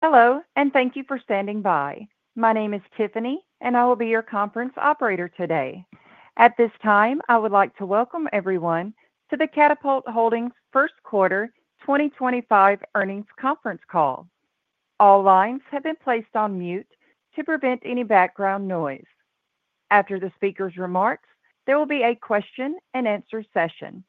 Hello, and thank you for standing by. My name is Tiffany, and I will be your conference operator today. At this time, I would like to welcome everyone to the Katapult Holdings First Quarter 2025 earnings conference call. All lines have been placed on mute to prevent any background noise. After the speaker's remarks, there will be a question-and-answer session.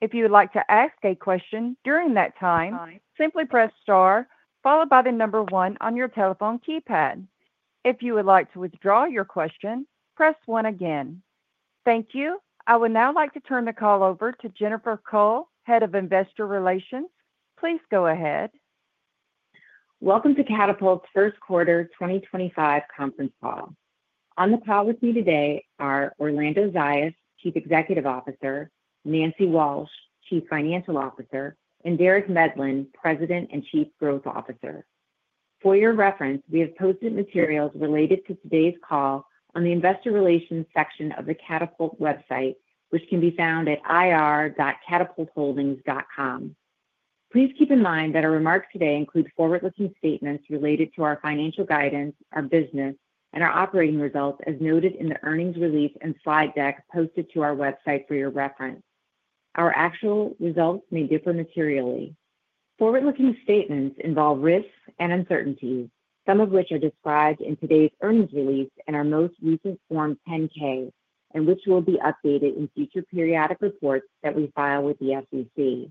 If you would like to ask a question during that time, simply press star followed by the number one on your telephone keypad. If you would like to withdraw your question, press one again. Thank you. I would now like to turn the call over to Jennifer Kull, Head of Investor Relations. Please go ahead. Welcome to Katapult's First Quarter 2025 conference call. On the call with me today are Orlando Zayas, Chief Executive Officer; Nancy Walsh, Chief Financial Officer; and Derek Medlin, President and Chief Growth Officer. For your reference, we have posted materials related to today's call on the Investor Relations section of the Katapult website, which can be found at ir.katapultholdings.com. Please keep in mind that our remarks today include forward-looking statements related to our financial guidance, our business, and our operating results as noted in the earnings release and slide deck posted to our website for your reference. Our actual results may differ materially. Forward-looking statements involve risks and uncertainties, some of which are described in today's earnings release and our most recent Form 10-K, which will be updated in future periodic reports that we file with the SEC.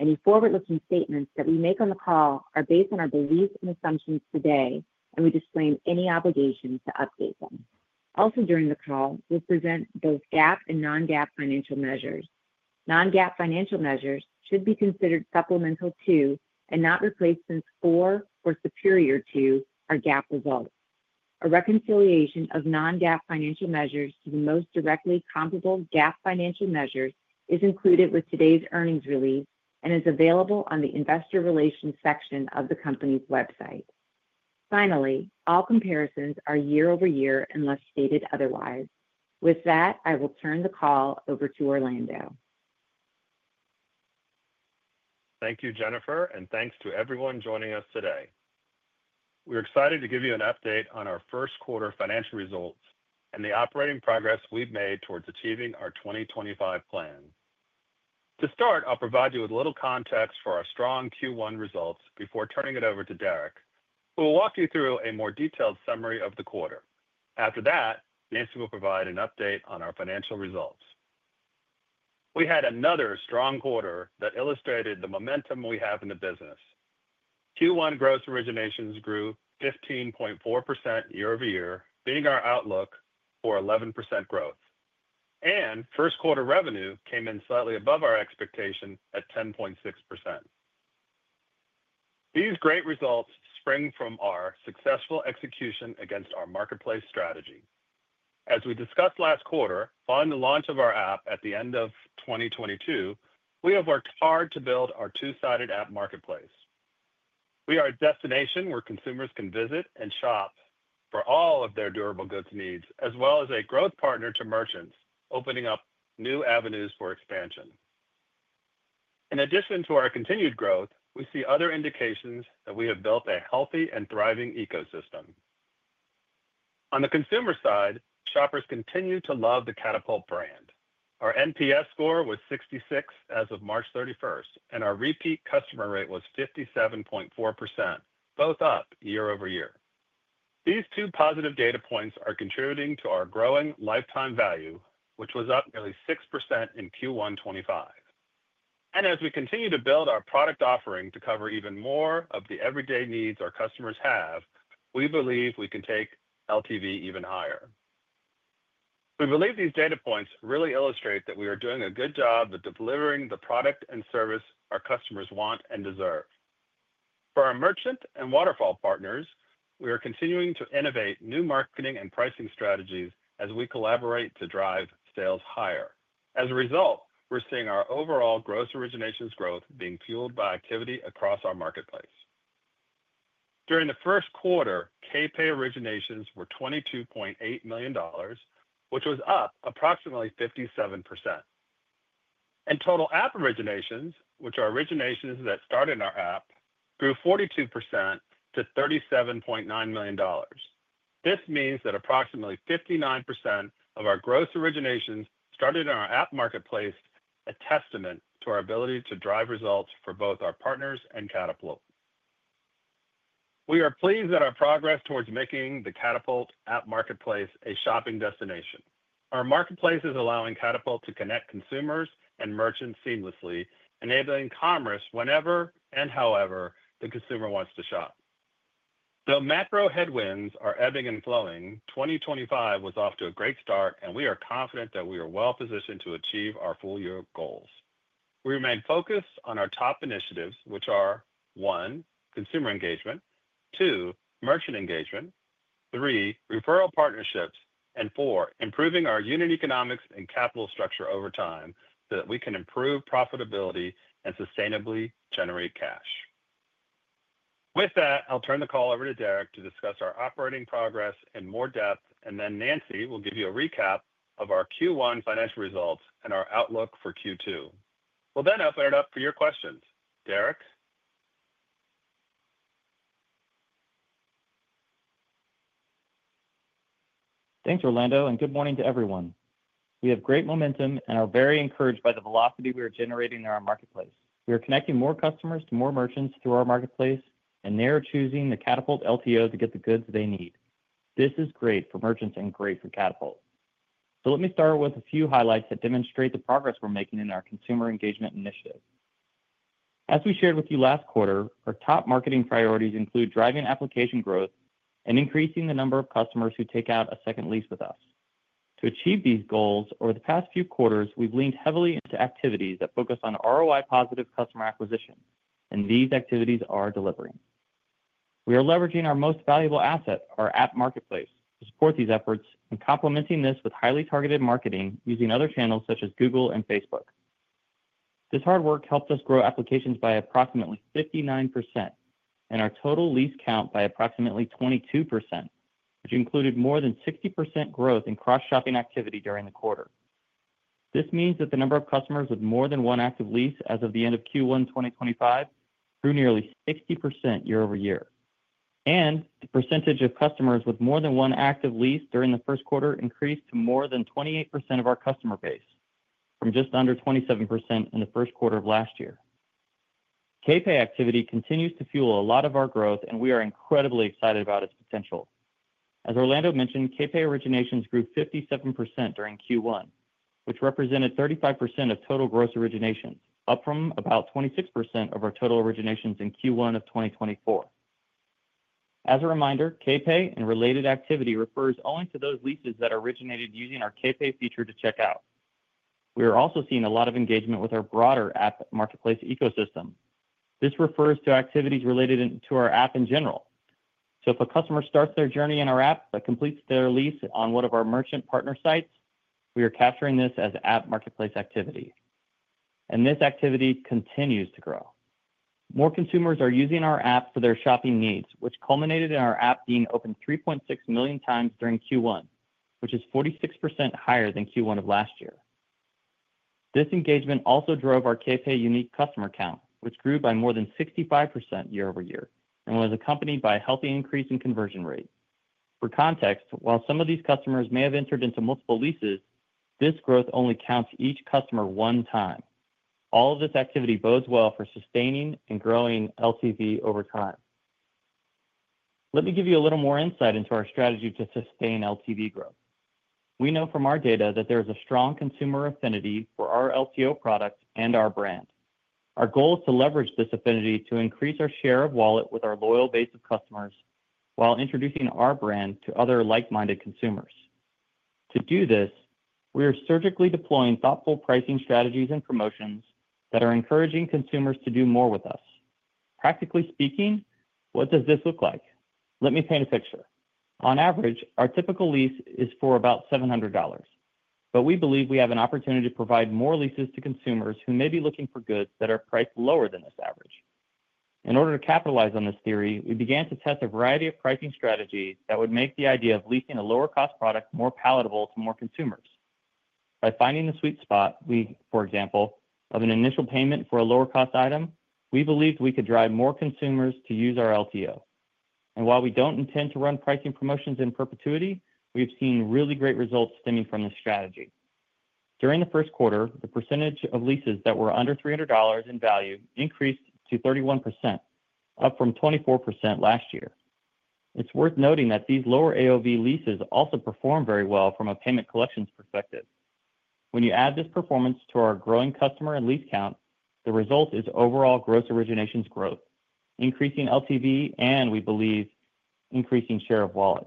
Any forward-looking statements that we make on the call are based on our beliefs and assumptions today, and we disclaim any obligation to update them. Also, during the call, we'll present both GAAP and non-GAAP financial measures. Non-GAAP financial measures should be considered supplemental to and not replace or superior to our GAAP results. A reconciliation of non-GAAP financial measures to the most directly comparable GAAP financial measures is included with today's earnings release and is available on the Investor Relations section of the company's website. Finally, all comparisons are year-over-year unless stated otherwise. With that, I will turn the call over to Orlando. Thank you, Jennifer, and thanks to everyone joining us today. We're excited to give you an update on our first quarter financial results and the operating progress we've made towards achieving our 2025 plan. To start, I'll provide you with a little context for our strong Q1 results before turning it over to Derek, who will walk you through a more detailed summary of the quarter. After that, Nancy will provide an update on our financial results. We had another strong quarter that illustrated the momentum we have in the business. Q1 gross originations grew 15.4% year-over-year, beating our outlook for 11% growth. First quarter revenue came in slightly above our expectation at 10.6%. These great results spring from our successful execution against our marketplace strategy. As we discussed last quarter, following the launch of our app at the end of 2022, we have worked hard to build our two-sided App Marketplace. We are a destination where consumers can visit and shop for all of their durable goods needs, as well as a growth partner to merchants, opening up new avenues for expansion. In addition to our continued growth, we see other indications that we have built a healthy and thriving ecosystem. On the consumer side, shoppers continue to love the Katapult brand. Our NPS score was 66 as of March 31, and our repeat customer rate was 57.4%, both up year-over-year. These two positive data points are contributing to our growing lifetime value, which was up nearly 6% in Q1 2025. As we continue to build our product offering to cover even more of the everyday needs our customers have, we believe we can take LTV even higher. We believe these data points really illustrate that we are doing a good job with delivering the product and service our customers want and deserve. For our merchant and waterfall partners, we are continuing to innovate new marketing and pricing strategies as we collaborate to drive sales higher. As a result, we're seeing our overall gross originations growth being fueled by activity across our marketplace. During the first quarter, K-pay originations were $22.8 million, which was up approximately 57%. Total app originations, which are originations that start in our app, grew 42% to $37.9 million. This means that approximately 59% of our gross originations started in our App Marketplace, a testament to our ability to drive results for both our partners and Katapult. We are pleased with our progress towards making the Katapult App Marketplace a shopping destination. Our marketplace is allowing Katapult to connect consumers and merchants seamlessly, enabling commerce whenever and however the consumer wants to shop. Though macro headwinds are ebbing and flowing, 2025 is off to a great start, and we are confident that we are well positioned to achieve our full-year goals. We remain focused on our top initiatives, which are: one, consumer engagement; two, merchant engagement; three, referral partnerships; and four, improving our unit economics and capital structure over time so that we can improve profitability and sustainably generate cash. With that, I'll turn the call over to Derek to discuss our operating progress in more depth, and then Nancy will give you a recap of our Q1 financial results and our outlook for Q2. We'll then open it up for your questions. Derek? Thanks, Orlando, and good morning to everyone. We have great momentum and are very encouraged by the velocity we are generating in our marketplace. We are connecting more customers to more merchants through our marketplace, and they are choosing the Katapult LTO to get the goods they need. This is great for merchants and great for Katapult. Let me start with a few highlights that demonstrate the progress we're making in our consumer engagement initiative. As we shared with you last quarter, our top marketing priorities include driving application growth and increasing the number of customers who take out a second lease with us. To achieve these goals, over the past few quarters, we've leaned heavily into activities that focus on ROI-positive customer acquisition, and these activities are delivering. We are leveraging our most valuable asset, our App Marketplace, to support these efforts, and complementing this with highly targeted marketing using other channels such as Google and Facebook. This hard work helped us grow applications by approximately 59% and our total lease count by approximately 22%, which included more than 60% growth in cross-shopping activity during the quarter. This means that the number of customers with more than one active lease as of the end of Q1 2025 grew nearly 60% year-over-year. The percentage of customers with more than one active lease during the first quarter increased to more than 28% of our customer base, from just under 27% in the first quarter of last year. K-pay activity continues to fuel a lot of our growth, and we are incredibly excited about its potential. As Orlando mentioned, K-pay originations grew 57% during Q1, which represented 35% of total gross originations, up from about 26% of our total originations in Q1 of 2024. As a reminder, K-pay and related activity refers only to those leases that originated using our K-pay feature to check out. We are also seeing a lot of engagement with our broader app marketplace ecosystem. This refers to activities related to our app in general. If a customer starts their journey in our app but completes their lease on one of our merchant partner sites, we are capturing this as app marketplace activity. This activity continues to grow. More consumers are using our app for their shopping needs, which culminated in our app being opened 3.6 million times during Q1, which is 46% higher than Q1 of last year. This engagement also drove our K-pay unique customer count, which grew by more than 65% year-over-year and was accompanied by a healthy increase in conversion rate. For context, while some of these customers may have entered into multiple leases, this growth only counts each customer one time. All of this activity bodes well for sustaining and growing LTV over time. Let me give you a little more insight into our strategy to sustain LTV growth. We know from our data that there is a strong consumer affinity for our LTO product and our brand. Our goal is to leverage this affinity to increase our share of wallet with our loyal base of customers while introducing our brand to other like-minded consumers. To do this, we are surgically deploying thoughtful pricing strategies and promotions that are encouraging consumers to do more with us. Practically speaking, what does this look like? Let me paint a picture. On average, our typical lease is for about $700, but we believe we have an opportunity to provide more leases to consumers who may be looking for goods that are priced lower than this average. In order to capitalize on this theory, we began to test a variety of pricing strategies that would make the idea of leasing a lower-cost product more palatable to more consumers. By finding the sweet spot, for example, of an initial payment for a lower-cost item, we believed we could drive more consumers to use our LTO. While we do not intend to run pricing promotions in perpetuity, we have seen really great results stemming from this strategy. During the first quarter, the percentage of leases that were under $300 in value increased to 31%, up from 24% last year. It's worth noting that these lower AOV leases also perform very well from a payment collections perspective. When you add this performance to our growing customer and lease count, the result is overall gross originations growth, increasing LTV and, we believe, increasing share of wallet.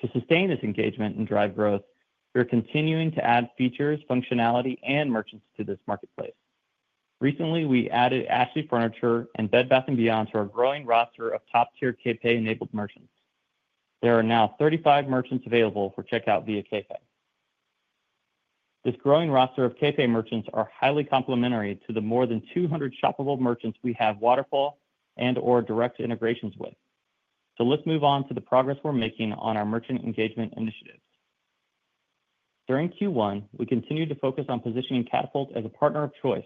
To sustain this engagement and drive growth, we're continuing to add features, functionality, and merchants to this marketplace. Recently, we added Ashley Furniture and Bed Bath & Beyond to our growing roster of top-tier K-pay-enabled merchants. There are now 35 merchants available for checkout via K-pay. This growing roster of K-pay merchants is highly complementary to the more than 200 shoppable merchants we have waterfall and/or direct integrations with. Let's move on to the progress we're making on our merchant engagement initiatives. During Q1, we continued to focus on positioning Katapult as a partner of choice,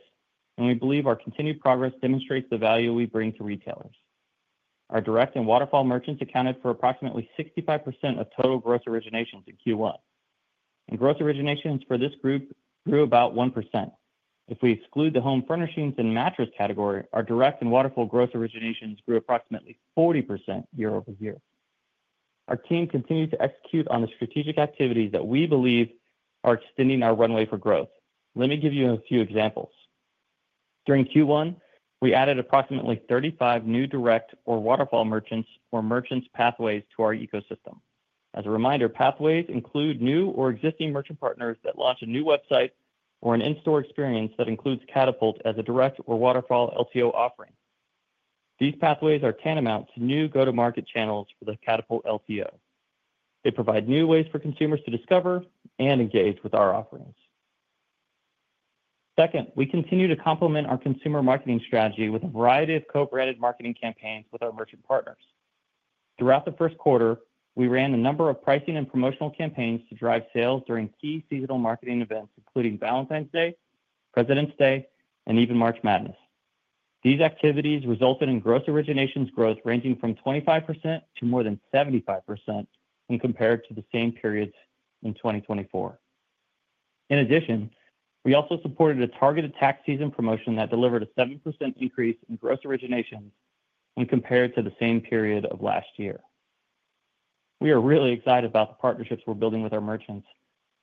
and we believe our continued progress demonstrates the value we bring to retailers. Our direct and waterfall merchants accounted for approximately 65% of total gross originations in Q1. Gross originations for this group grew about 1%. If we exclude the home furnishings and mattress category, our direct and waterfall gross originations grew approximately 40% year-over-year. Our team continues to execute on the strategic activities that we believe are extending our runway for growth. Let me give you a few examples. During Q1, we added approximately 35 new direct or waterfall merchants or merchant pathways to our ecosystem. As a reminder, pathways include new or existing merchant partners that launch a new website or an in-store experience that includes Katapult as a direct or waterfall LTO offering. These pathways are tantamount to new go-to-market channels for the Katapult LTO. They provide new ways for consumers to discover and engage with our offerings. Second, we continue to complement our consumer marketing strategy with a variety of co-branded marketing campaigns with our merchant partners. Throughout the first quarter, we ran a number of pricing and promotional campaigns to drive sales during key seasonal marketing events, including Valentine's Day, President's Day, and even March Madness. These activities resulted in gross originations growth ranging from 25%-more than 75% when compared to the same periods in 2024. In addition, we also supported a targeted tax season promotion that delivered a 7% increase in gross originations when compared to the same period of last year. We are really excited about the partnerships we're building with our merchants.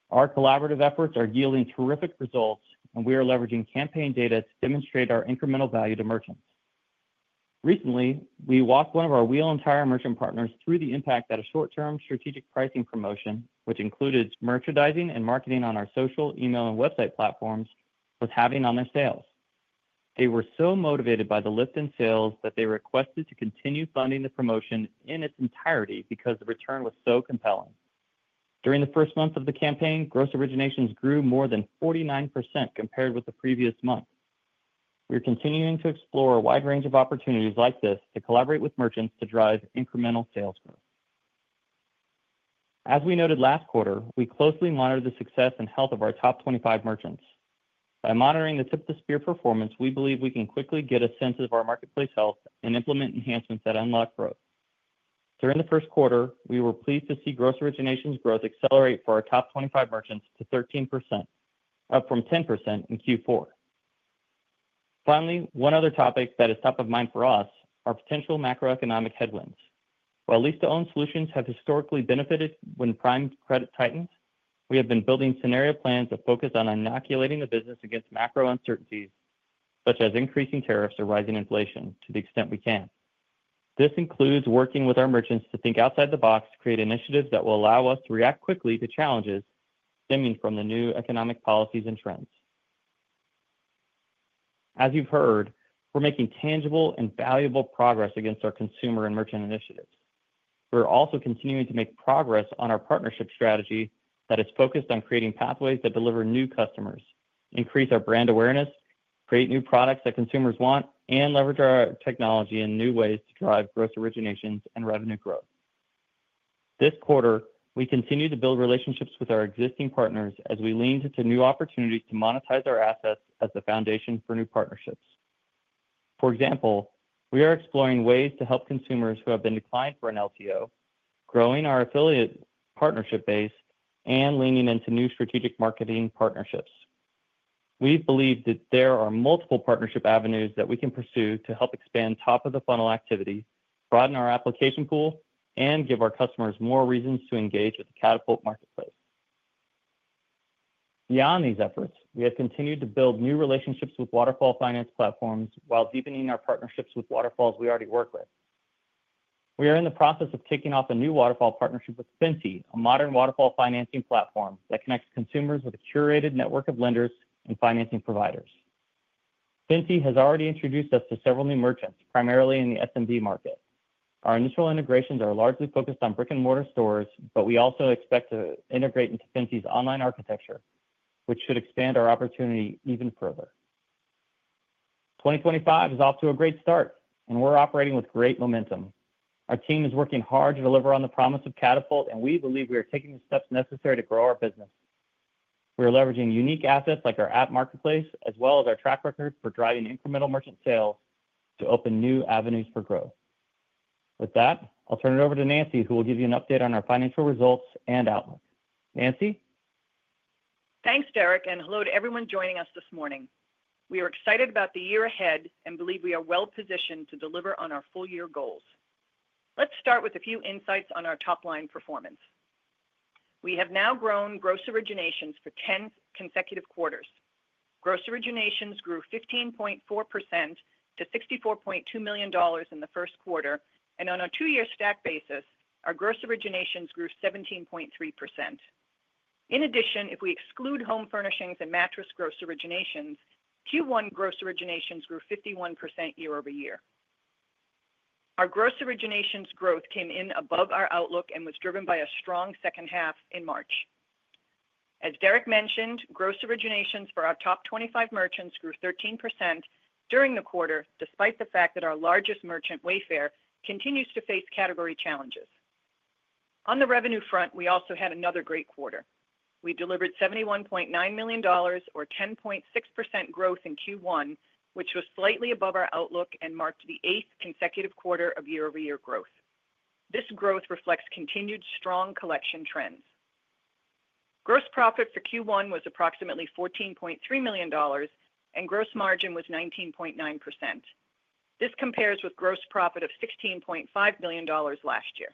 Our collaborative efforts are yielding terrific results, and we are leveraging campaign data to demonstrate our incremental value to merchants. Recently, we walked one of our wheel-and-tire merchant partners through the impact that a short-term strategic pricing promotion, which included merchandising and marketing on our social, email, and website platforms, was having on their sales. They were so motivated by the lift in sales that they requested to continue funding the promotion in its entirety because the return was so compelling. During the first month of the campaign, gross originations grew more than 49% compared with the previous month. We are continuing to explore a wide range of opportunities like this to collaborate with merchants to drive incremental sales growth. As we noted last quarter, we closely monitor the success and health of our top 25 merchants. By monitoring the tip-of-the-spear performance, we believe we can quickly get a sense of our marketplace health and implement enhancements that unlock growth. During the first quarter, we were pleased to see gross originations growth accelerate for our top 25 merchants to 13%, up from 10% in Q4. Finally, one other topic that is top of mind for us are potential macroeconomic headwinds. While lease-to-own solutions have historically benefited when prime credit tightens, we have been building scenario plans that focus on inoculating the business against macro uncertainties such as increasing tariffs or rising inflation to the extent we can. This includes working with our merchants to think outside the box to create initiatives that will allow us to react quickly to challenges stemming from the new economic policies and trends. As you've heard, we're making tangible and valuable progress against our consumer and merchant initiatives. We're also continuing to make progress on our partnership strategy that is focused on creating pathways that deliver new customers, increase our brand awareness, create new products that consumers want, and leverage our technology in new ways to drive gross originations and revenue growth. This quarter, we continue to build relationships with our existing partners as we lean into new opportunities to monetize our assets as the foundation for new partnerships. For example, we are exploring ways to help consumers who have been declined for an LTO, growing our affiliate partnership base, and leaning into new strategic marketing partnerships. We believe that there are multiple partnership avenues that we can pursue to help expand top-of-the-funnel activity, broaden our application pool, and give our customers more reasons to engage with the Katapult Marketplace. Beyond these efforts, we have continued to build new relationships with Waterfall Finance platforms while deepening our partnerships with Waterfalls we already work with. We are in the process of kicking off a new Waterfall partnership with Fintee, a modern waterfall financing platform that connects consumers with a curated network of lenders and financing providers. Fintee has already introduced us to several new merchants, primarily in the SMB market. Our initial integrations are largely focused on brick-and-mortar stores, but we also expect to integrate into Fintee's online architecture, which should expand our opportunity even further. 2025 is off to a great start, and we're operating with great momentum. Our team is working hard to deliver on the promise of Katapult, and we believe we are taking the steps necessary to grow our business. We are leveraging unique assets like our App Marketplace as well as our track record for driving incremental merchant sales to open new avenues for growth. With that, I'll turn it over to Nancy, who will give you an update on our financial results and outlook. Nancy? Thanks, Derek, and hello to everyone joining us this morning. We are excited about the year ahead and believe we are well-positioned to deliver on our full-year goals. Let's start with a few insights on our top-line performance. We have now grown gross originations for 10 consecutive quarters. Gross originations grew 15.4% to $64.2 million in the first quarter, and on a two-year stack basis, our gross originations grew 17.3%. In addition, if we exclude home furnishings and mattress gross originations, Q1 gross originations grew 51% year-over-year. Our gross originations growth came in above our outlook and was driven by a strong second half in March. As Derek mentioned, gross originations for our top 25 merchants grew 13% during the quarter, despite the fact that our largest merchant, Wayfair, continues to face category challenges. On the revenue front, we also had another great quarter. We delivered $71.9 million, or 10.6% growth in Q1, which was slightly above our outlook and marked the eighth consecutive quarter of year-over-year growth. This growth reflects continued strong collection trends. Gross profit for Q1 was approximately $14.3 million, and gross margin was 19.9%. This compares with gross profit of $16.5 million last year.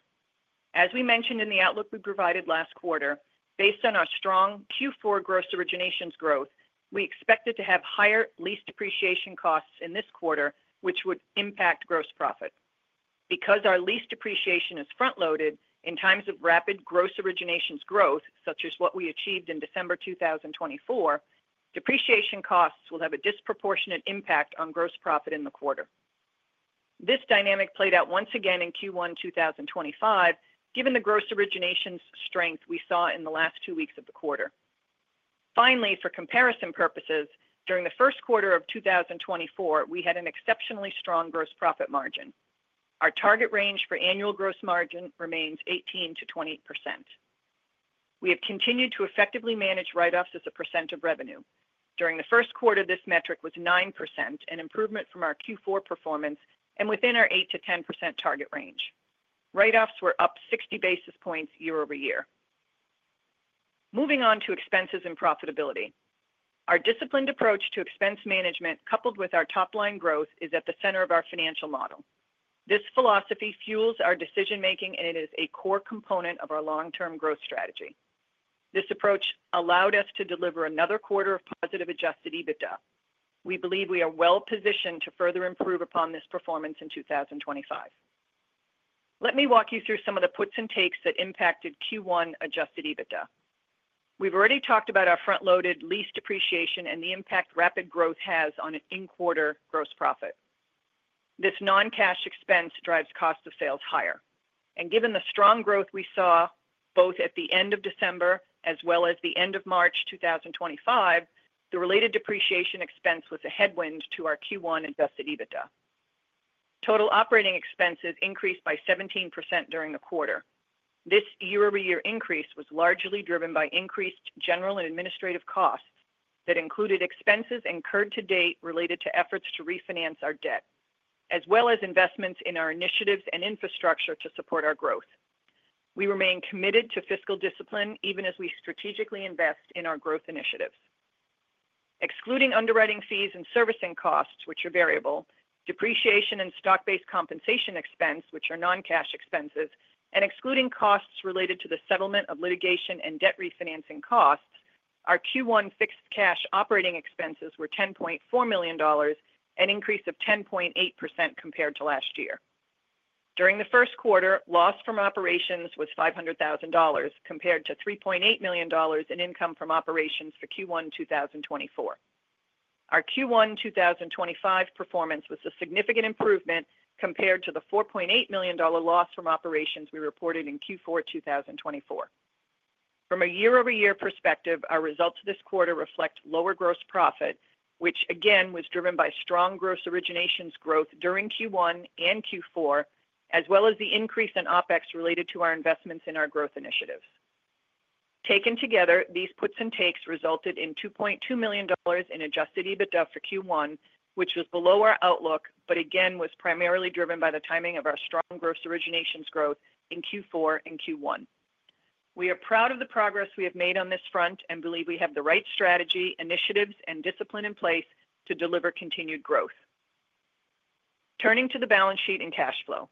As we mentioned in the outlook we provided last quarter, based on our strong Q4 gross originations growth, we expected to have higher lease depreciation costs in this quarter, which would impact gross profit. Because our lease depreciation is front-loaded in times of rapid gross originations growth, such as what we achieved in December 2024, depreciation costs will have a disproportionate impact on gross profit in the quarter. This dynamic played out once again in Q1 2025, given the gross originations strength we saw in the last two weeks of the quarter. Finally, for comparison purposes, during the first quarter of 2024, we had an exceptionally strong gross profit margin. Our target range for annual gross margin remains 18%-20%. We have continued to effectively manage write-offs as a percent of revenue. During the first quarter, this metric was 9%, an improvement from our Q4 performance and within our 8%-10% target range. Write-offs were up 60 basis points year-over-year. Moving on to expenses and profitability. Our disciplined approach to expense management, coupled with our top-line growth, is at the center of our financial model. This philosophy fuels our decision-making, and it is a core component of our long-term growth strategy. This approach allowed us to deliver another quarter of positive adjusted EBITDA. We believe we are well-positioned to further improve upon this performance in 2025. Let me walk you through some of the puts and takes that impacted Q1 adjusted EBITDA. We've already talked about our front-loaded lease depreciation and the impact rapid growth has on in-quarter gross profit. This non-cash expense drives cost of sales higher. Given the strong growth we saw both at the end of December as well as the end of March 2025, the related depreciation expense was a headwind to our Q1 adjusted EBITDA. Total operating expenses increased by 17% during the quarter. This year-over-year increase was largely driven by increased general and administrative costs that included expenses incurred to date related to efforts to refinance our debt, as well as investments in our initiatives and infrastructure to support our growth. We remain committed to fiscal discipline even as we strategically invest in our growth initiatives. Excluding underwriting fees and servicing costs, which are variable, depreciation and stock-based compensation expense, which are non-cash expenses, and excluding costs related to the settlement of litigation and debt refinancing costs, our Q1 fixed cash operating expenses were $10.4 million and increased 10.8% compared to last year. During the first quarter, loss from operations was $500,000 compared to $3.8 million in income from operations for Q1 2024. Our Q1 2025 performance was a significant improvement compared to the $4.8 million loss from operations we reported in Q4 2024. From a year-over-year perspective, our results this quarter reflect lower gross profit, which again was driven by strong gross originations growth during Q1 and Q4, as well as the increase in OPEX related to our investments in our growth initiatives. Taken together, these puts and takes resulted in $2.2 million in adjusted EBITDA for Q1, which was below our outlook, but again was primarily driven by the timing of our strong gross originations growth in Q4 and Q1. We are proud of the progress we have made on this front and believe we have the right strategy, initiatives, and discipline in place to deliver continued growth. Turning to the balance sheet and cash flow.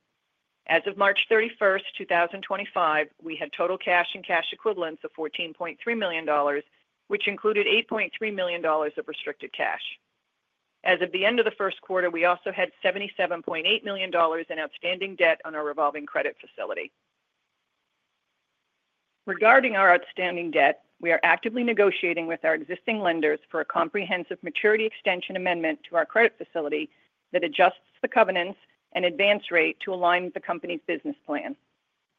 As of March 31, 2025, we had total cash and cash equivalents of $14.3 million, which included $8.3 million of restricted cash. As of the end of the first quarter, we also had $77.8 million in outstanding debt on our revolving credit facility. Regarding our outstanding debt, we are actively negotiating with our existing lenders for a comprehensive maturity extension amendment to our credit facility that adjusts the covenants and advance rate to align with the company's business plan.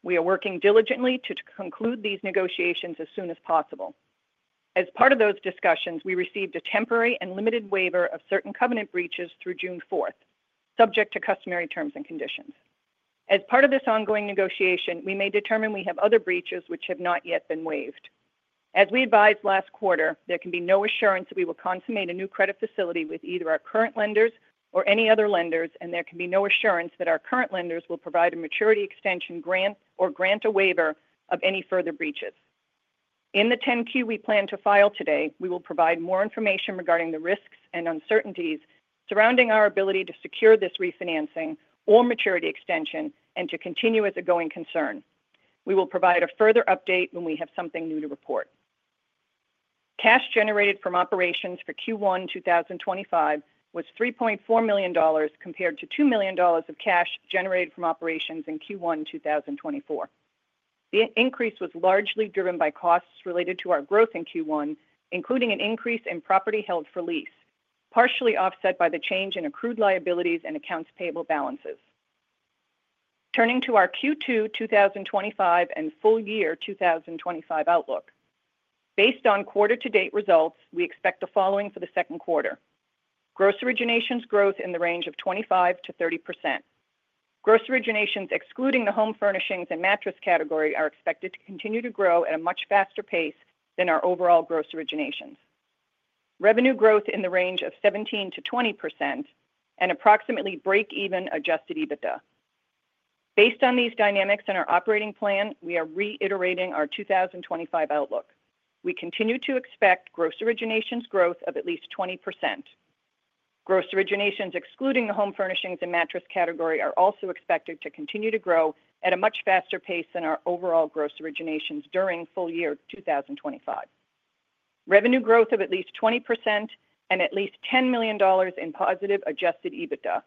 We are working diligently to conclude these negotiations as soon as possible. As part of those discussions, we received a temporary and limited waiver of certain covenant breaches through June 4, subject to customary terms and conditions. As part of this ongoing negotiation, we may determine we have other breaches which have not yet been waived. As we advised last quarter, there can be no assurance that we will consummate a new credit facility with either our current lenders or any other lenders, and there can be no assurance that our current lenders will provide a maturity extension grant or grant a waiver of any further breaches. In the 10-Q we plan to file today, we will provide more information regarding the risks and uncertainties surrounding our ability to secure this refinancing or maturity extension and to continue as a going concern. We will provide a further update when we have something new to report. Cash generated from operations for Q1 2025 was $3.4 million compared to $2 million of cash generated from operations in Q1 2024. The increase was largely driven by costs related to our growth in Q1, including an increase in property held for lease, partially offset by the change in accrued liabilities and accounts payable balances. Turning to our Q2 2025 and full-year 2025 outlook. Based on quarter-to-date results, we expect the following for the second quarter: gross originations growth in the range of 25%-30%. Gross originations excluding the home furnishings and mattress category are expected to continue to grow at a much faster pace than our overall gross originations. Revenue growth in the range of 17%-20% and approximately break-even adjusted EBITDA. Based on these dynamics and our operating plan, we are reiterating our 2025 outlook. We continue to expect gross originations growth of at least 20%. Gross originations excluding the home furnishings and mattress category are also expected to continue to grow at a much faster pace than our overall gross originations during full-year 2025. Revenue growth of at least 20% and at least $10 million in positive adjusted EBITDA.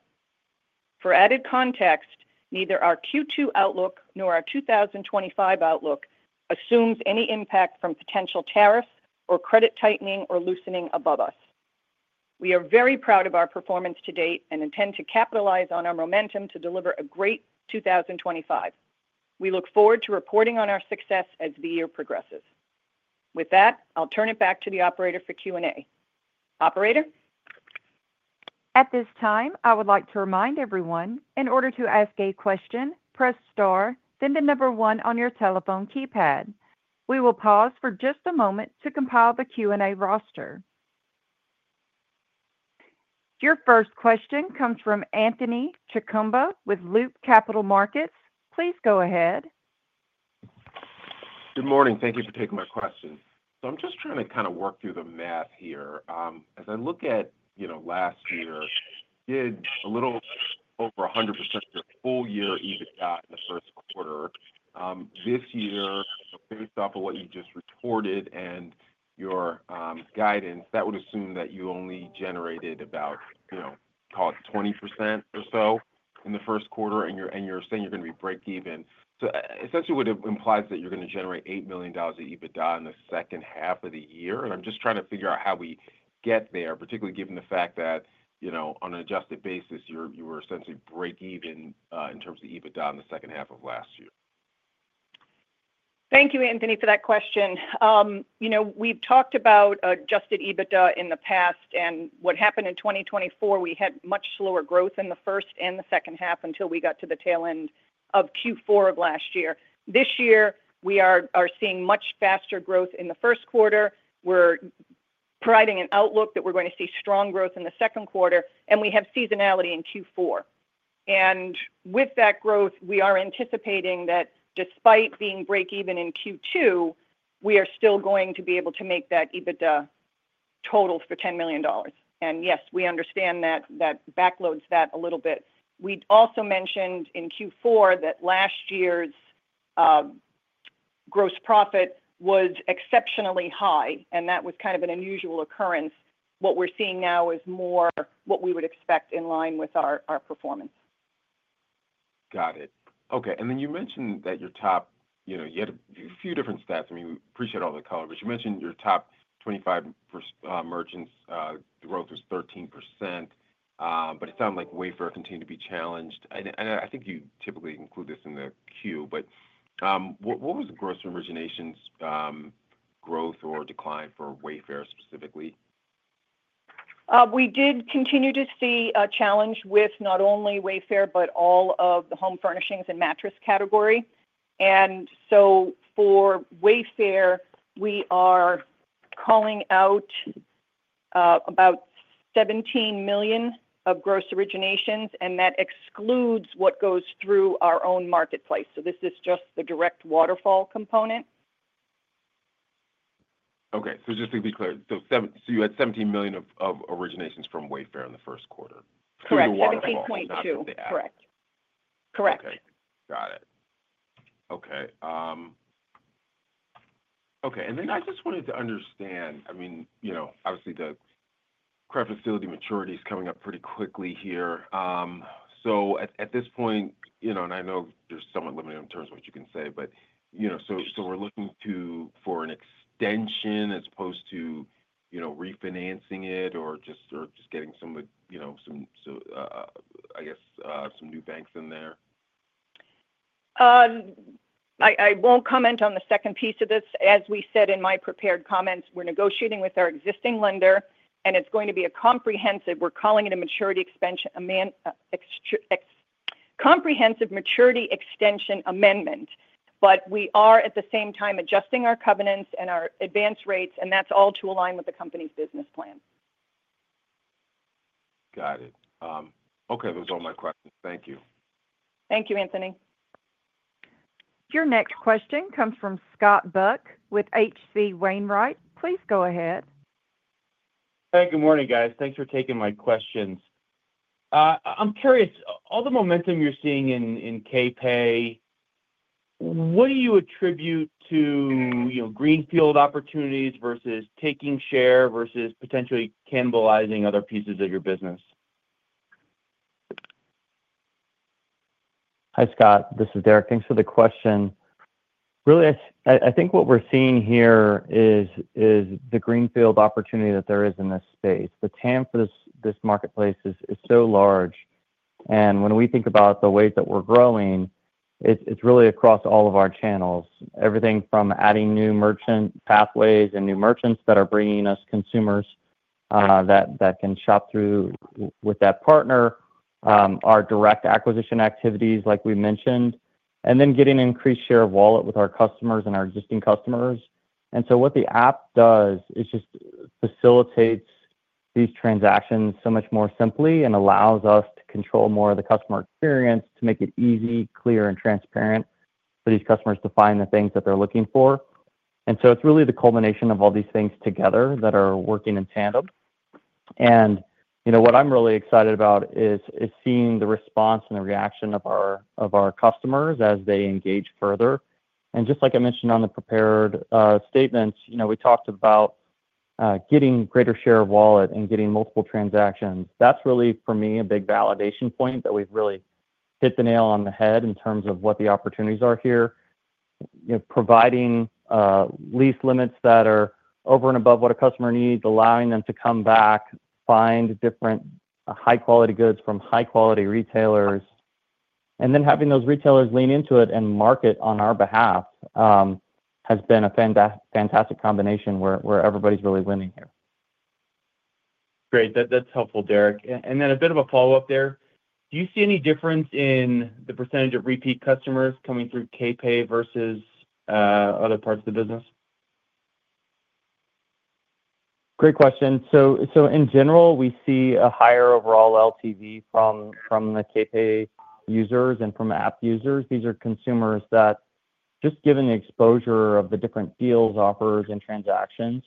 For added context, neither our Q2 outlook nor our 2025 outlook assumes any impact from potential tariffs or credit tightening or loosening above us. We are very proud of our performance to date and intend to capitalize on our momentum to deliver a great 2025. We look forward to reporting on our success as the year progresses. With that, I'll turn it back to the operator for Q&A. Operator? At this time, I would like to remind everyone, in order to ask a question, press star, then the number one on your telephone keypad. We will pause for just a moment to compile the Q&A roster. Your first question comes from Anthony Chukumba with Loop Capital Markets. Please go ahead. Good morning. Thank you for taking my question. So I'm just trying to kind of work through the math here. As I look at last year, you did a little over 100% of your full-year EBITDA in the first quarter. This year, based off of what you just reported and your guidance, that would assume that you only generated about, call it 20% or so in the first quarter, and you're saying you're going to be break-even. So essentially, what it implies is that you're going to generate $8 million of EBITDA in the second half of the year. And I'm just trying to figure out how we get there, particularly given the fact that on an adjusted basis, you were essentially break-even in terms of EBITDA in the second half of last year. Thank you, Anthony, for that question. We've talked about adjusted EBITDA in the past, and what happened in 2024, we had much slower growth in the first and the second half until we got to the tail end of Q4 of last year. This year, we are seeing much faster growth in the first quarter. We're providing an outlook that we're going to see strong growth in the second quarter, and we have seasonality in Q4. With that growth, we are anticipating that despite being break-even in Q2, we are still going to be able to make that EBITDA total for $10 million. Yes, we understand that that backloads that a little bit. We also mentioned in Q4 that last year's gross profit was exceptionally high, and that was kind of an unusual occurrence. What we're seeing now is more what we would expect in line with our performance. Got it. Okay. And then you mentioned that your top, you had a few different stats. I mean, we appreciate all the color, but you mentioned your top 25 merchants' growth was 13%, but it sounded like Wayfair continued to be challenged. I think you typically include this in the queue, but what was the gross originations growth or decline for Wayfair specifically? We did continue to see a challenge with not only Wayfair, but all of the home furnishings and mattress category. For Wayfair, we are calling out about $17 million of gross originations, and that excludes what goes through our own marketplace. This is just the direct waterfall component. Okay. Just to be clear, you had $17 million of originations from Wayfair in the first quarter. Correct. 17.2. Correct. Correct. Okay. Got it. Okay. Okay. I just wanted to understand, I mean, obviously, the credit facility maturity is coming up pretty quickly here. At this point, and I know there's somewhat limited in terms of what you can say, but we're looking for an extension as opposed to refinancing it or just getting some of the, I guess, some new banks in there? I won't comment on the second piece of this. As we said in my prepared comments, we're negotiating with our existing lender, and it's going to be a comprehensive—we're calling it a maturity extension amendment. We are, at the same time, adjusting our covenants and our advance rates, and that's all to align with the company's business plan. Got it. Okay. Those are all my questions. Thank you. Thank you, Anthony. Your next question comes from Scott Buck with HC Wainwright. Please go ahead. Hey, good morning, guys. Thanks for taking my questions. I'm curious, all the momentum you're seeing in K-pay, what do you attribute to greenfield opportunities versus taking share versus potentially cannibalizing other pieces of your business? Hi, Scott. This is Derek. Thanks for the question. Really, I think what we're seeing here is the greenfield opportunity that there is in this space. The TAM for this marketplace is so large, and when we think about the way that we're growing, it's really across all of our channels. Everything from adding new merchant pathways and new merchants that are bringing us consumers that can shop through with that partner, our direct acquisition activities, like we mentioned, and then getting an increased share of wallet with our customers and our existing customers. What the app does is just facilitates these transactions so much more simply and allows us to control more of the customer experience to make it easy, clear, and transparent for these customers to find the things that they're looking for. It is really the culmination of all these things together that are working in tandem. What I'm really excited about is seeing the response and the reaction of our customers as they engage further. Just like I mentioned on the prepared statements, we talked about getting a greater share of wallet and getting multiple transactions. That is really, for me, a big validation point that we've really hit the nail on the head in terms of what the opportunities are here. Providing lease limits that are over and above what a customer needs, allowing them to come back, find different high-quality goods from high-quality retailers, and then having those retailers lean into it and market on our behalf has been a fantastic combination where everybody's really winning here. Great. That's helpful, Derek. A bit of a follow-up there. Do you see any difference in the percentage of repeat customers coming through K-pay versus other parts of the business? Great question. In general, we see a higher overall LTV from the K-pay users and from app users. These are consumers that, just given the exposure of the different deals, offers, and transactions,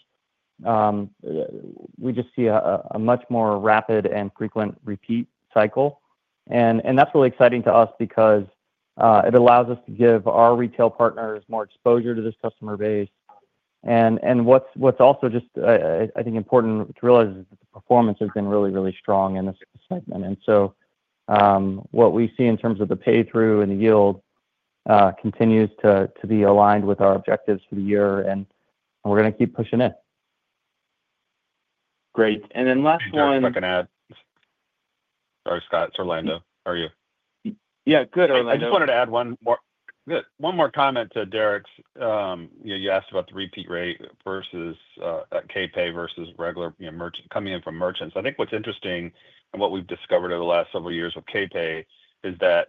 we just see a much more rapid and frequent repeat cycle. That is really exciting to us because it allows us to give our retail partners more exposure to this customer base. What's also just, I think, important to realize is that the performance has been really, really strong in this segment. What we see in terms of the pay-through and the yield continues to be aligned with our objectives for the year, and we're going to keep pushing it. Great. Last one. Sorry, Scott. I was just about to add—sorry, Scott. It's Orlando. How are you? Yeah. Good, Orlando. I just wanted to add one more comment to Derek's. You asked about the repeat rate versus K-pay versus regular coming in from merchants. I think what's interesting and what we've discovered over the last several years with K-pay is that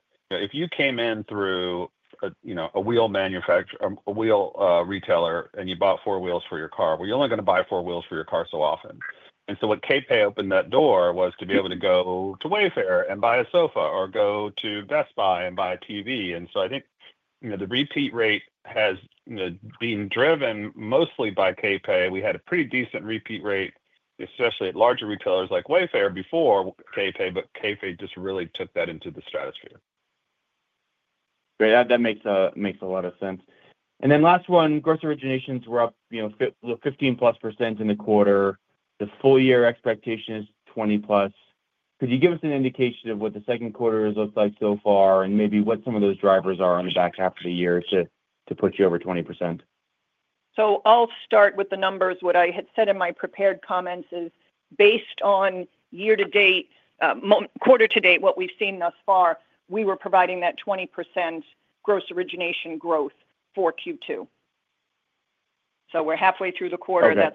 if you came in through a wheel retailer and you bought four wheels for your car, you're only going to buy four wheels for your car so often. When K-pay opened that door, it was to be able to go to Wayfair and buy a sofa or go to Best Buy and buy a TV. I think the repeat rate has been driven mostly by K-pay. We had a pretty decent repeat rate, especially at larger retailers like Wayfair before K-pay, but K-pay just really took that into the stratosphere. Great. That makes a lot of sense. Last one, gross originations were up 15% in the quarter. The full-year expectation is 20% or more. Could you give us an indication of what the second quarter has looked like so far and maybe what some of those drivers are in the back half of the year to push you over 20%? I'll start with the numbers. What I had said in my prepared comments is, based on year-to-date, quarter-to-date, what we've seen thus far, we were providing that 20% gross origination growth for Q2. So we're halfway through the quarter.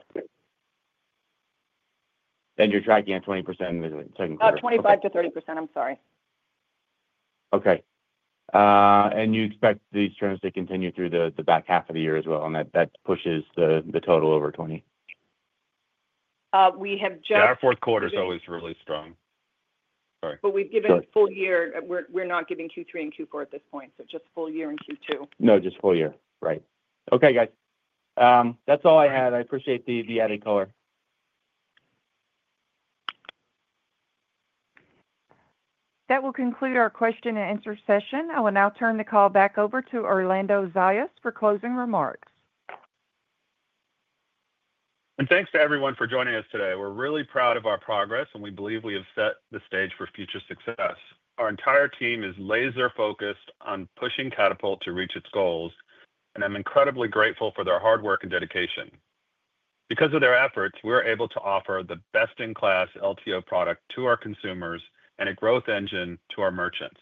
And you're tracking at 20% in the second quarter? 25%-30%. I'm sorry. Okay. And you expect these trends to continue through the back half of the year as well, and that pushes the total over 20%? We have just—Our fourth quarter is always really strong. Sorry. But we've given full-year—we're not giving Q3 and Q4 at this point, so just full-year and Q2. No, just full-year. Right. Okay, guys. That's all I had. I appreciate the added color. That will conclude our question-and-answer session. I will now turn the call back over to Orlando Zayas for closing remarks. And thanks to everyone for joining us today. We're really proud of our progress, and we believe we have set the stage for future success. Our entire team is laser-focused on pushing Katapult to reach its goals, and I'm incredibly grateful for their hard work and dedication. Because of their efforts, we're able to offer the best-in-class LTO product to our consumers and a growth engine to our merchants.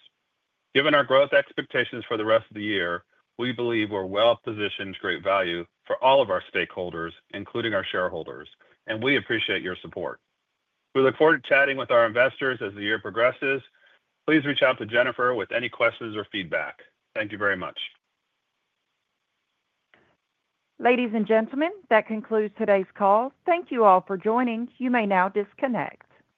Given our growth expectations for the rest of the year, we believe we're well-positioned to create value for all of our stakeholders, including our shareholders, and we appreciate your support. We look forward to chatting with our investors as the year progresses. Please reach out to Jennifer with any questions or feedback. Thank you very much. Ladies and gentlemen, that concludes today's call. Thank you all for joining. You may now disconnect.